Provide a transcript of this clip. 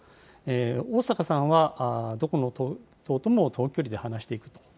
逢坂さんは、どこの党とも等距離で話していくと。